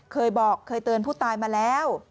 เคยบอกเคยเตือนผู้ตายมาแล้ว